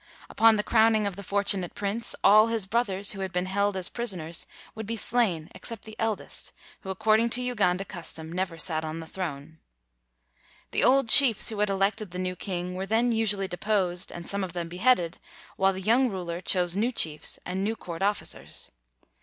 Upon the crowning of the fortunate prince, all his brothers who had been held as prisoners would be slain except the eldest, who ac cording to Uganda custom, never sat on the throne. The old chiefs who had elected the new king were then usually deposed and some of them beheaded ; while the young rul er chose new chiefs and new court officers.